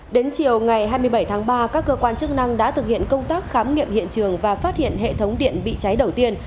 đến chiều ngày hai mươi bảy tháng ba các cơ quan chức năng đã thực hiện công tác khám nghiệm hiện trường và phát hiện hệ thống điện bị cháy đầu tiên